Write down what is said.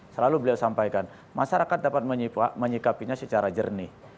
selalu beliau sampaikan masyarakat dapat menyikapinya secara jernih